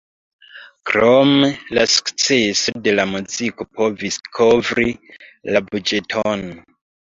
Krome, la sukceso de la muziko povis kovri la buĝeton.